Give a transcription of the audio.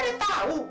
lo kenapa udah tau